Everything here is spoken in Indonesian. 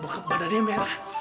bukan badannya merah